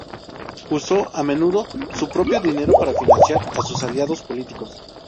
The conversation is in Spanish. Usó a menudo su propio dinero para financiar a sus aliados políticos.